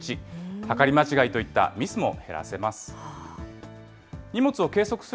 測り間違いといったミスも減らせます。